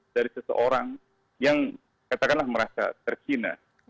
dari seseorang yang katakanlah merasa terhina